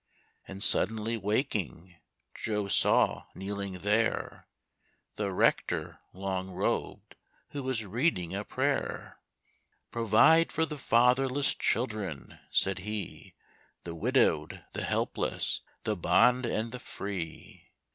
And suddenly waking, Joe saw kneeling there The rector, long robed, who was reading a prayer. "Provide for the fatherless children," said he "The widowed, the helpless, the bond and the free."